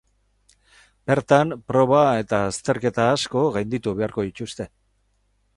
Bertan, proba eta azterketa asko gainditu beharko dituzte.